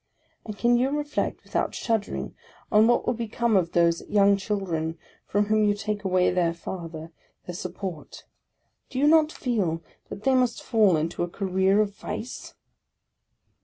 And can you reflect without shuddering, on what will become of those young children, from whom you take away their father, their sup port? Do you not feel that they must fall into a career of vice